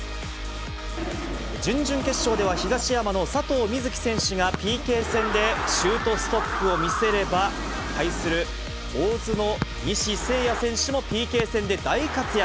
準々決勝では東山の佐藤瑞起選手がＰＫ戦でシュートストップを見せれば、対する大津の西星哉選手もＰＫ戦で大活躍。